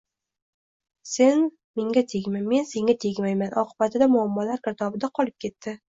«sen menga tegma, men senga tegmayman» oqibatida muammolar girdobida qolib ketdi.